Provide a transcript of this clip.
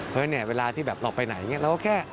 เพราะฉะนั้นเวลาที่เราไปไหนเราก็แค่